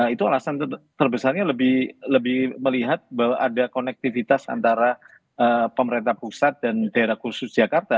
itu alasan terbesarnya lebih melihat bahwa ada konektivitas antara pemerintah pusat dan daerah khusus jakarta